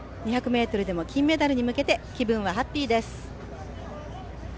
２００ｍでも金メダルに向けて気分はハッピーです。